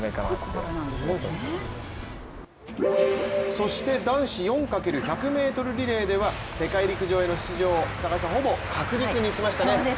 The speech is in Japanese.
そして男子４×１００ｍリレーでは世界陸上への出場をほぼ確実にしましたね。